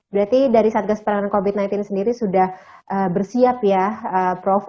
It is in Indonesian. berarti dari satgas penanganan covid sembilan belas sendiri sudah bersiap ya prof